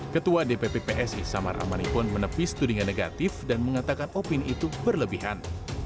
ketua dpp psi samar amani pun menepis tudingan negatif dan mengatakan opini itu berlebihan